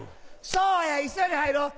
そうや一緒に入ろう！